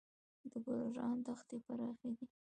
د ګلران دښتې پراخې دي